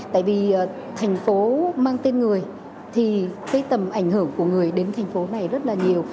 tại vì thành phố mang tên người thì cái tầm ảnh hưởng của người đến thành phố này rất là nhiều